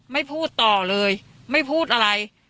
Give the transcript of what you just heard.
ไม่พูดต่อเลยไม่พูดอะไร